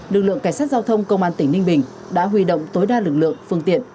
lực lượng cảnh sát giao thông công an tỉnh ninh bình đã huy động tối đa lực lượng phương tiện